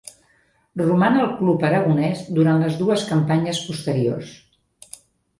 Roman al club aragonès durant les dues campanyes posteriors.